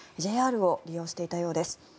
ＪＲを利用していたようです。